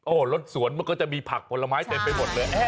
โอ้โหรถสวนมันก็จะมีผักผลไม้เต็มไปหมดเลย